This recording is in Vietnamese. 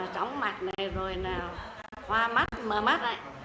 tróng mặt này rồi là hoa mắt mờ mắt này